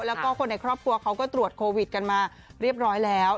แล้วก็คนในครอบครัวเขาก็ตรวจโควิดกันมาเรียบร้อยแล้ว